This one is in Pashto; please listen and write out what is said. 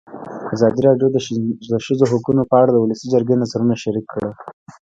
ازادي راډیو د د ښځو حقونه په اړه د ولسي جرګې نظرونه شریک کړي.